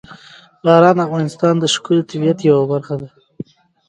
باران د افغانستان د ښکلي طبیعت یوه برخه ده.